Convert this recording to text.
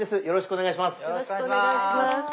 よろしくお願いします。